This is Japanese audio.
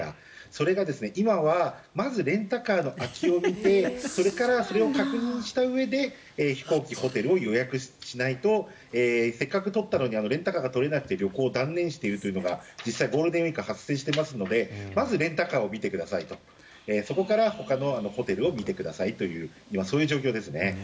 それが今はまずレンタカーの空きを見てそれからそれを確認したうえで飛行機、ホテルを予約しないとせっかく取ったのにレンタカーが取れなくて旅行を断念しているというのが実際、ゴールデンウィークに発生していますのでまずレンタカーを見てくださいとそこからほかのホテルを見てくださいというそういう状況ですね。